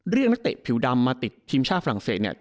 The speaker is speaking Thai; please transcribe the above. นักเตะผิวดำมาติดทีมชาติฝรั่งเศสเนี่ย